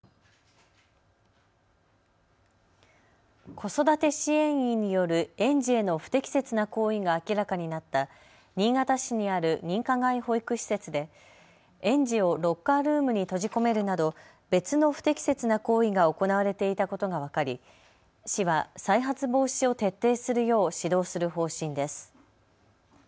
子育て支援員による園児への不適切な行為が明らかになった新潟市にある認可外保育施設で園児をロッカールームに閉じ込めるなど別の不適切な行為が行われていたことが分かり市は再発防止を徹底するよう指導する方針です。